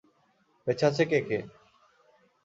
বেঁচে আছে, কে কে?